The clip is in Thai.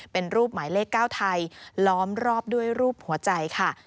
เป็นรูปหมายเลข๙ไทยล้อมรอบด้วยรูปหัวใจค่ะ